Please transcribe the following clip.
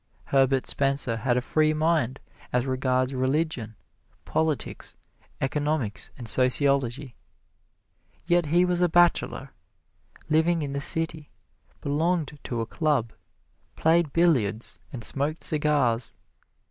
Herbert Spencer had a free mind as regards religion, politics, economics and sociology; yet he was a bachelor, lived in the city, belonged to a club, played billiards and smoked cigars.